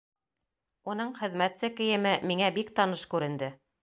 Уның хеҙмәтсе кейеме миңә бик таныш күренде.